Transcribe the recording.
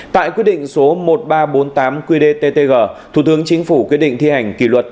tại quyết định số một nghìn ba trăm bốn mươi tám qdttg thủ tướng chính phủ quyết định thi hành kỷ luật